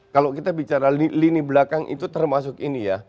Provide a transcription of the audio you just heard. kalau kita bicara lini belakang itu termasuk ini ya